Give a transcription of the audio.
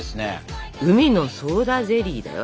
うみのソーダゼリーだよ。